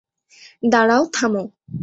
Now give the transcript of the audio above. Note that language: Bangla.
দাঁড়াও, থামো।